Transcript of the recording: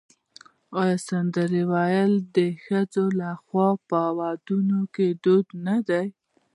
آیا سندرې ویل د ښځو لخوا په ودونو کې دود نه دی؟